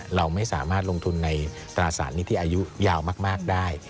เราไม่สามารถลงทุนในตราสารนี้ที่อายุยาวมากได้